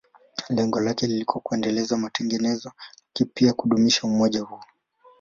Lengo lake lilikuwa kuendeleza matengenezo, lakini pia kudumisha umoja huo.